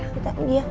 kita yang buah